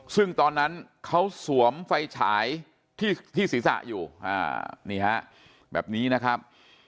ซึ่งตอนนั้นเขาสวมไฟฉายที่ศีรษะอยู่นี่ฮะแบบนี้นะครับ